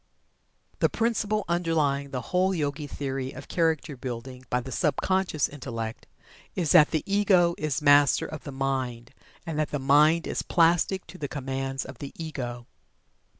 The principle underlying the whole Yogi theory of Character Building by the sub conscious Intellect, is that the Ego is Master of the mind, and that the mind is plastic to the commands of the Ego.